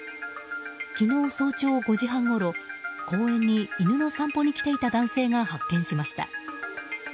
昨日早朝５時半ごろ公園に犬の散歩に来ていた男性が発見しました。